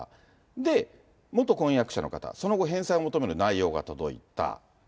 で、元婚約者の方、その後、返済を求める内容が届いた。